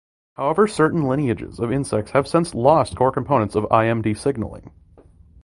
However certain lineages of insects have since lost core components of Imd signalling.